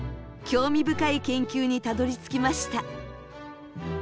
興味深い研究にたどりつきました。